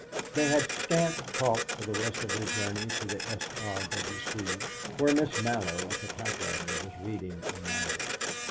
They had scant talk for the rest of their journey to the S. R. W. C., where Miss Mallow, at the typewriter, was reading a novel.